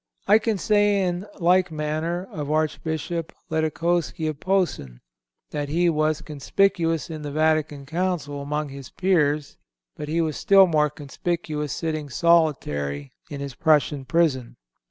I can say in like manner, of Archbishop Ledochowski of Posen, that he was conspicuous in the Vatican Council among his peers; but he was still more conspicuous sitting solitary in his Prussian prison.